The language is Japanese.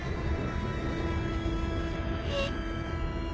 えっ。